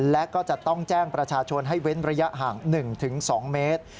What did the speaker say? และก็จะต้องแจ้งประชาชนให้เว้นระยะห่าง๑๒เมตร